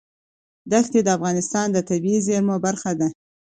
دښتې د افغانستان د طبیعي زیرمو برخه ده.